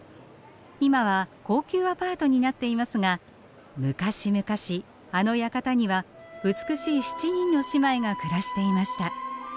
今は高級アパートになっていますが昔々あの館には美しい７人の姉妹が暮らしていました。